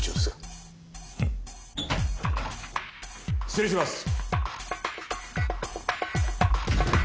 失礼します。